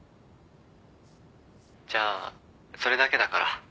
じゃあそれだけだから。